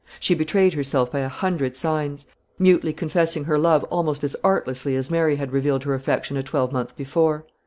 She betrayed herself by a hundred signs; mutely confessing her love almost as artlessly as Mary had revealed her affection a twelvemonth before.